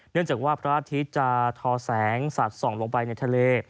เนื่องจากว่าพระอาทิตย์จะทอแสงสัดส่องลงไปในทะเล